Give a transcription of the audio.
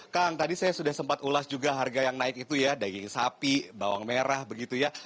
kang tadi saya sudah sempat ulas juga harga yang naik itu ya daging sapi bawang merah begitu ya